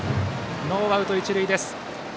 ノーアウト、一塁です。